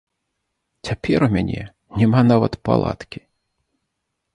Цяпер у мяне няма нават палаткі.